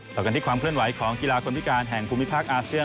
ต่อกันที่ความเคลื่อนไหวของกีฬาคนพิการแห่งภูมิภาคอาเซียน